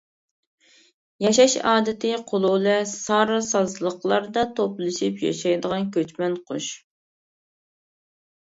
ياشاش ئادىتى قۇلۇلە سار سازلىقلاردا توپلىشىپ ياشايدىغان كۆچمەن قۇش.